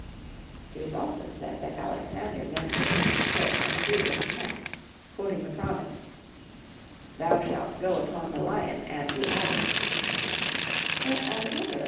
It is also said that Alexander then put his foot on Fried rich's neck, quoting the promise —" Thou shalt go upon the lion and the adder; " but as another ac FRlEDJtlCH KN£IC1.